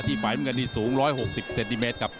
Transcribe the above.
ที่ฝ่ายเมืองเกินที่สูง๑๖๐เซนติเมตรครับ